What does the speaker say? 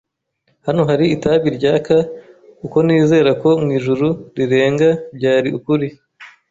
'Hano hari itabi ryaka uko nizera ko mwijuru rirenga byari ukuri